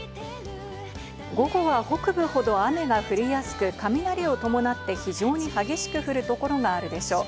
午後は北部ほど雨が降りやすく、雷を伴って非常に激しく降る所があるでしょう。